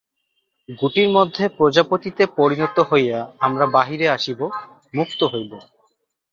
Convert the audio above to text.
গুটির মধ্যে প্রজাপতিতে পরিণত হইয়া আমরা বাহিরে আসিব, মুক্ত হইব।